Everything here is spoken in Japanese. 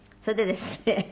それでですね